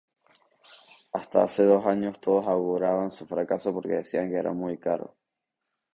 Hasta hace dos años todos auguraban su fracaso porque decían que era muy caro.